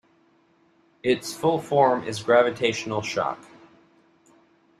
Its full form is Gravitational Shock.